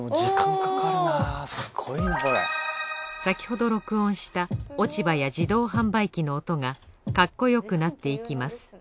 先ほど録音した落ち葉や自動販売機の音がかっこよくなっていきます